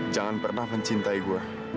jangan pernah mencintai gue